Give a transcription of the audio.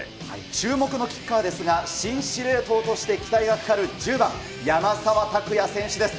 注目のキッカーですが、新司令塔として期待がかかる１０番山沢拓也選手です。